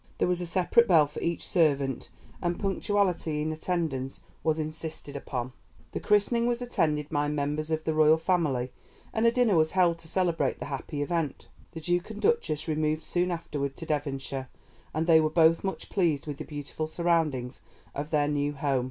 There was a separate bell for each servant, and punctuality in attendance was insisted upon. The christening was attended by members of the Royal Family, and a dinner was held to celebrate the happy event. The Duke and Duchess removed soon afterward to Devonshire, and they were both much pleased with the beautiful surroundings of their new home.